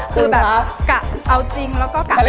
คือแบบกะเอาจริงแล้วก็กะรุ่งเลย